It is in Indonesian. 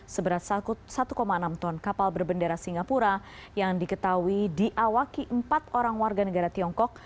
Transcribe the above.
seberat satu enam ton kapal berbendera singapura yang diketahui diawaki empat orang warga negara tiongkok